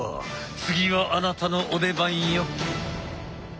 次はあなたのお出番よ。